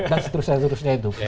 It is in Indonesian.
dan seterusnya seterusnya itu